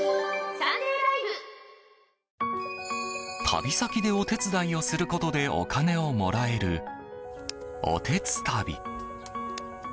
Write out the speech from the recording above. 旅先で、お手伝いをすることでお金をもらえる、おてつたび。